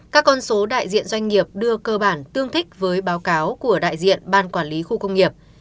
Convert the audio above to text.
các con số đại diện doanh nghiệp đưa cơ bản tương thích với báo cáo của đại diện ban quản lý khu công nghiệp